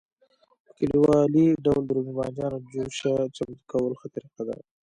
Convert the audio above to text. په کلیوالي ډول د رومي بانجانو جوشه چمتو کول ښه طریقه ده.